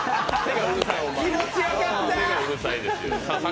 気持ちよかった。